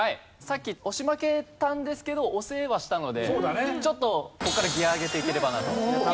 さっき押し負けたんですけど押せはしたのでちょっとここからギア上げていければなと。